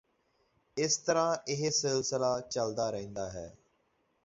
ਇਸ ਤਰ੍ਹਾਂ ਇਹ ਸਿਲਸਿਲਾ ਚੱਲਦਾ ਰਹਿੰਦਾ ਹੈ